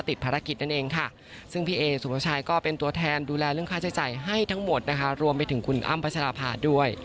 อยู่กับคุณพ่อกับพระเจ้าเรียบร้อยแล้ว